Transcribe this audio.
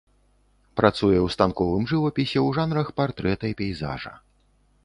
Працуе ў станковым жывапісе ў жанрах партрэта і пейзажа.